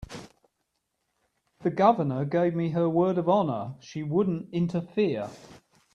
The Governor gave me her word of honor she wouldn't interfere.